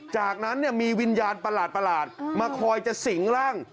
จากนั้นมีวิญญาณประหลาดมาคอยจะสิงร่าง